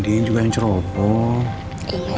dia juga yang ceroboh